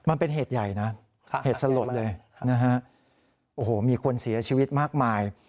มันเป็นเหตุใหญ่นะเหตุสลดเลยนะฮะโอ้โหมีคนเสียชีวิตมากมาย